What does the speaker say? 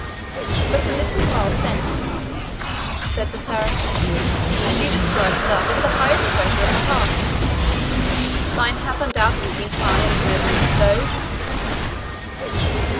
"But a little while since," said the Saracen, "and you described love as the highest treasure of the heart thine hath undoubtedly been high and nobly bestowed?"